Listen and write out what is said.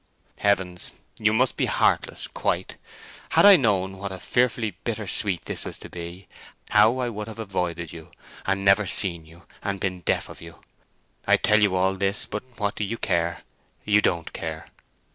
Heavens you must be heartless quite! Had I known what a fearfully bitter sweet this was to be, how I would have avoided you, and never seen you, and been deaf of you. I tell you all this, but what do you care! You don't care."